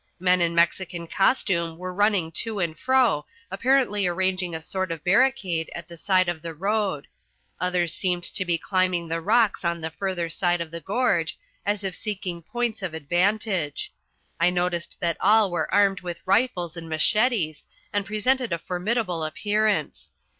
Men in Mexican costume were running to and fro apparently arranging a sort of barricade at the side of the road. Others seemed to be climbing the rocks on the further side of the gorge, as if seeking points of advantage. I noticed that all were armed with rifles and machetes and presented a formidable appearance.